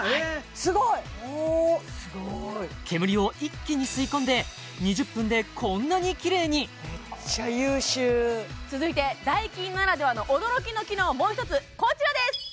すごい！煙を一気に吸い込んで２０分でこんなにキレイにめっちゃ優秀続いてダイキンならではの驚きの機能をもう一つこちらです！